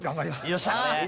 よっしゃ。